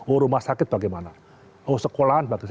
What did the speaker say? oh rumah sakit bagaimana oh sekolahan bagaimana